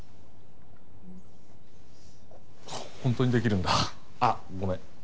本当にできるんだあっごめん。